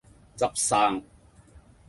執生